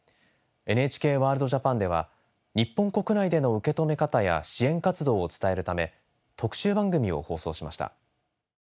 「ＮＨＫＷＯＲＬＤＪＡＰＡＮ」では日本国内での受け止め方や支援活動を伝えるため特集番組を放送しました。